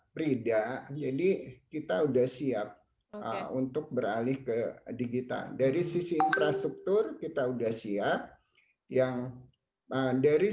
frida jadi kita udah siap untuk beralih ke digital dari sisi infrastruktur kita udah siap yang dari